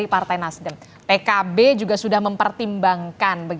pertama sekali pak anies baswedan sudah mempertimbangkan